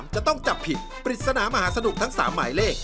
จะต้องจับผิดปริศนามหาสนุกทั้ง๓หมายเลข